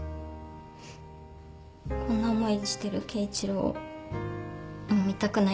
こんな思いしてる圭一郎をもう見たくないから。